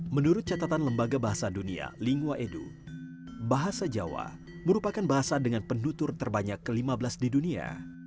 menurut catatan lembaga bahasa dunia lingua edu bahasa jawa merupakan bahasa dengan pendutur terbanyak ke lima belas di dunia